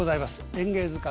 「演芸図鑑」